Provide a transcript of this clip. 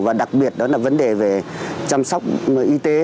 và đặc biệt đó là vấn đề về chăm sóc y tế